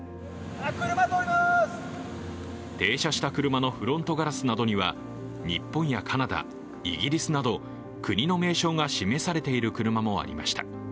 停車した車のフロントガラスなどには日本やカナダ、イギリスなど国の名称が示されている車もありました。